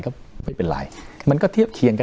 ก็ไม่เป็นไรมันก็เทียบเคียงกัน